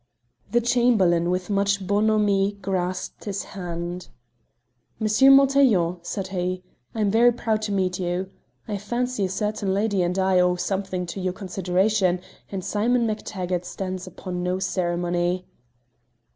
The Chamberlain with much bonhomie grasped his hand. "M. Montaiglon," said he, "I am very proud to meet you. I fancy a certain lady and I owe something to your consideration, and Simon MacTaggart stands upon no ceremony."